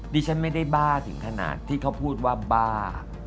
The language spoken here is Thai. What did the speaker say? ดิฉันไม่ได้บ้าถึงขนาดที่เขาพูดว่าบ้า